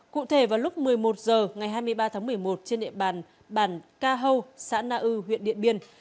cụ thể vào lúc một mươi một h ngày hai mươi ba tháng một mươi một trên địa bàn ca hâu xã na ư huyện điện biên